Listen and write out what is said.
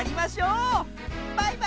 バイバーイ！